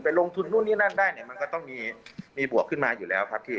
ลงทุนนู่นนี่นั่นได้เนี่ยมันก็ต้องมีบวกขึ้นมาอยู่แล้วครับพี่